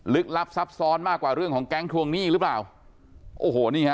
ลับซับซ้อนมากกว่าเรื่องของแก๊งทวงหนี้หรือเปล่าโอ้โหนี่ฮะ